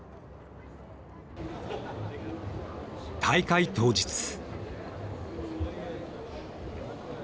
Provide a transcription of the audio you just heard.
大会当日。